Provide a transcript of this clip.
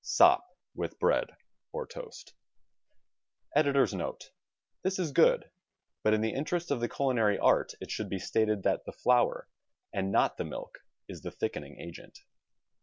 Sop with bread or toast. Editor's Note: — This is good. But in the interest of the culinary art it should be stated that the flour, and not the milk, is the thickening agent.